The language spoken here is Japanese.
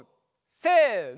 せの！